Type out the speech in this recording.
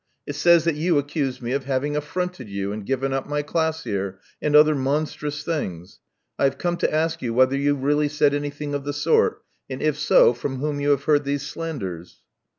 It says that you accuse me of having affronted you, and given up my class here, and other monstrous things. I have come to ask you whether you really said anything of the sort, and, if so, from whom you have heard these slanders."